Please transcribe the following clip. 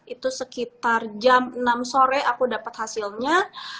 itu sekitar jam enam sore aku dapat hasilnya